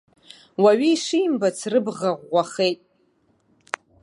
Уаҩы ишимбац рыбӷа ӷәӷәахеит.